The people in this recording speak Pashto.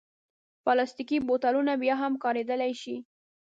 پلاستيکي بوتلونه بیا هم کارېدلی شي.